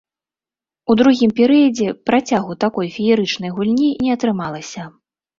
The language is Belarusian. У другім перыядзе працягу такой феерычнай гульні не атрымалася.